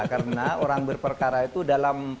karena orang berperkara itu dalam